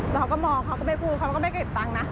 แล้วเขาก็มองเขาก็ไม่พูดเขาก็ไม่เก็บตังค์นะ